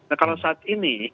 nah kalau saat ini